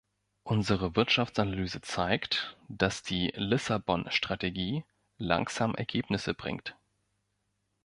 Unsere Wirtschaftsanalyse zeigt, dass die Lissabon-Strategie langsam Ergebnisse bringt.